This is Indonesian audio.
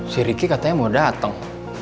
si ricky katanya mau datang